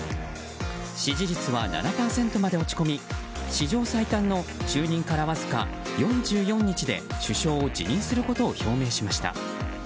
支持率は７％まで落ち込み史上最短の就任からわずか４４日で首相を辞任することを表明しました。